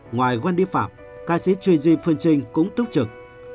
ngoài quen đi phạm ca sĩ truy duy phương trinh cũng túc trực